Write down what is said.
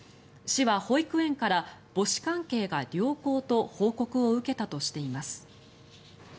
市は保育園から母子関係が良好と報告を受けたとしています。